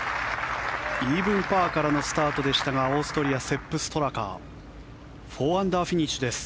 イーブンパーからのスタートでしたがオーストリアセップ・ストラカ４アンダー、フィニッシュです。